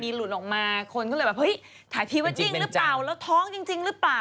ประมาณว่ามันมันมีหลุดลงมา